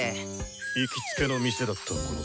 行きつけの店だったもので。